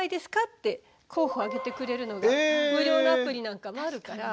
って候補挙げてくれるのが無料のアプリなんかもあるから。